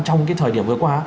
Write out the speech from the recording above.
trong cái thời điểm vừa qua